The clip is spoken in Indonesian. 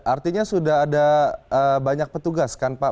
artinya sudah ada banyak petugas kan pak